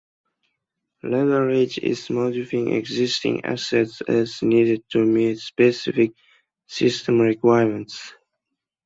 Leverage is modifying existing assets as needed to meet specific system requirements.